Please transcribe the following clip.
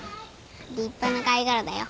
立派な貝殻だよ。